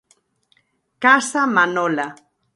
Casa Manola.